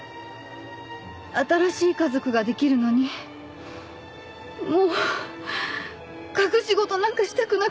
新しい家族ができるのにもう隠し事なんかしたくなかった。